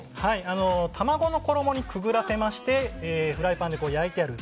卵の衣にくぐらせましてフライパンで焼いてある。